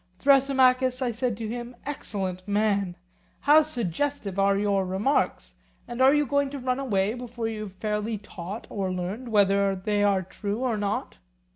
Thrasymachus, I said to him, excellent man, how suggestive are your remarks! And are you going to run away before you have fairly taught or learned whether they are true or not?